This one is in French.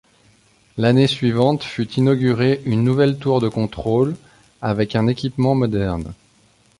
L'année suivante fut inaugurée une nouvelle tour de contrôle, avec un équipement moderne.